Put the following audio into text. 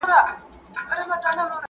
دغه هلک پرون یو ښه شعر ولیکی.